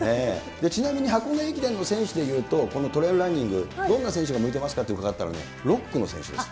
ちなみに箱根駅伝の選手で言うと、このトレイルランニング、どんな選手が向いてますかと伺ったら、６区の選手ですって。